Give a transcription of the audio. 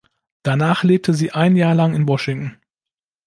Danach lebte sie ein Jahr lang in Washington.